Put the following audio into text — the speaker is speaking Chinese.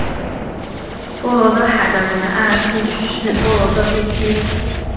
波罗的海的沿岸地区是波罗的地区。